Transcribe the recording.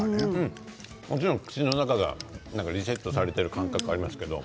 もちろん口の中がリセットされている感覚がありますけど。